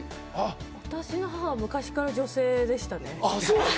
私の母は昔から女性でしたね。